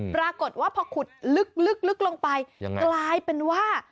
ปรากฏว่าพอขุดลึกลงไปกลายเป็นว่า